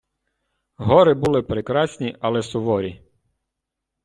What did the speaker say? Гори були прекрасні, але суворі.